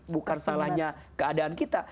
bukan salahnya keadaan kita